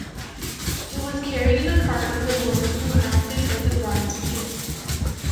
It was carried in a cart with a woman who acted as bridesmaid.